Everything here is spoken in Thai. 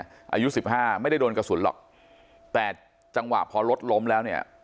อายุสิบห้าไม่ได้โดนกระสุนหรอกแต่จังหวะพอรถล้มแล้วเนี่ย